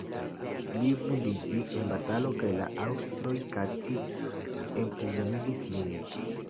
Li vundiĝis en batalo kaj la aŭstroj kaptis, enprizonigis lin.